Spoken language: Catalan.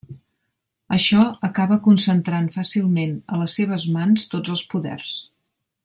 Això acaba concentrant fàcilment a les seves mans tots els poders.